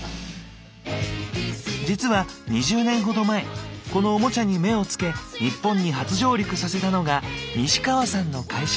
実は２０年ほど前このオモチャに目をつけ日本に初上陸させたのが西川さんの会社。